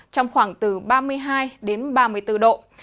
trong khoảng từ ba mươi hai đến ba mươi bốn độ